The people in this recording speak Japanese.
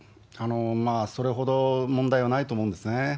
それほど問題はないと思うんですね。